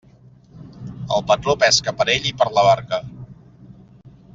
El patró pesca per ell i per la barca.